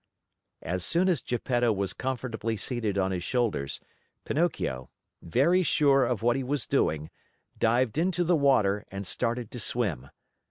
As soon as Geppetto was comfortably seated on his shoulders, Pinocchio, very sure of what he was doing, dived into the water and started to swim.